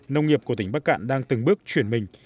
nông nghiệp của tỉnh bắc cạn đang từng bước chuyển mình